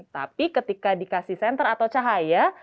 tapi ketika dikasih senter atau cahaya